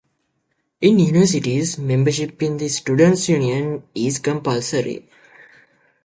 In universities, membership in the students' union is compulsory.